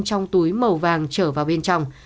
trong túi màu vàng trở vào bên trong